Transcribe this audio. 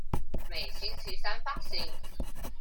每星期三發行